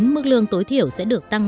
mức lương tối thiểu sẽ được tăng